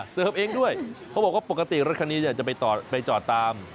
เสิร์ฟเองด้วยเขาบอกว่าปกติรถคันนี้จะไปจอดตาม